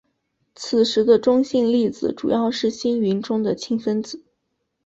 此时的中性粒子主要是星云中的氢分子。